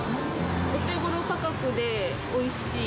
お手頃価格でおいしい。